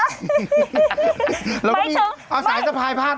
ไม๊ลูกมีเอาสายสะพายผ้าไหม